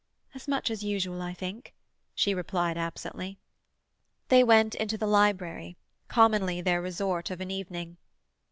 "As much as usual, I think," she replied absently. They went into the library, commonly their resort of an evening.